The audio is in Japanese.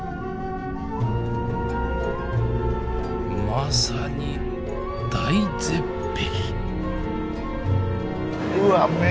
まさに大絶壁！